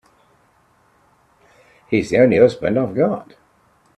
He's the only husband I've got.